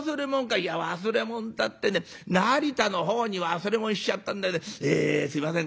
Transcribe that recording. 「いや忘れもんたってね成田の方に忘れもんしちゃったんでえすいません